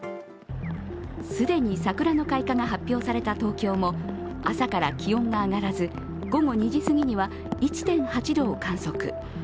既に桜の開花が発表された東京も朝から気温が上がらず午後２時すぎには１．８度を観測。